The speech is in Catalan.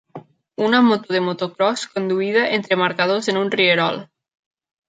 Una moto de motocròs conduïda entre marcadors en un rierol.